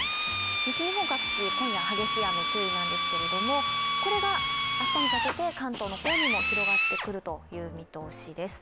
西日本各地、今夜、激しい雨注意なんですけれども、これが明日にかけて関東の方にも広がってくる見通しです。